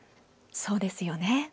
そうですよね。